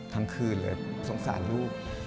ทั้งคืนเลยสงสารลูก